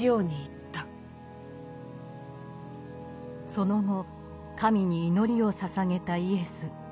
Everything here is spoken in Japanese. その後神に祈りを捧げたイエス。